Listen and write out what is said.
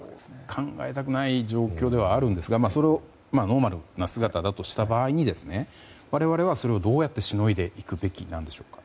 考えたくない状況ではありますがそれがノーマルな姿だとした場合我々はそれをどうやってしのいでいくべきなんでしょうか。